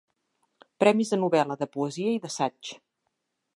Premis de novel·la, de poesia i d'assaig.